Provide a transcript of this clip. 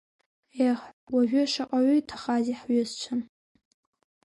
Еҳ, уажәы шаҟаҩы ҭахазеи ҳҩызцәа?